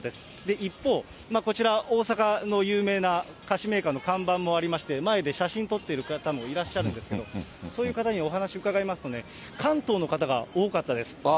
一方、こちら、大阪の有名な菓子メーカーの看板もありまして、前で写真撮ってる方もいらっしゃるんですけど、そういう方にお話を伺いますとね、関東の方が多かったです。